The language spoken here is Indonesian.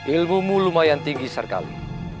ilmumu lumayan tinggi sarkali